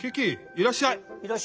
いらっしゃい。